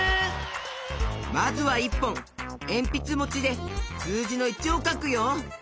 まずは１ぽんえんぴつもちですうじの「１」をかくよ。